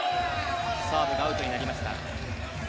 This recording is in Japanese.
サーブがアウトになりました。